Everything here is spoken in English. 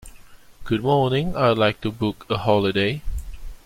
Good morning, I'd like to book a holiday.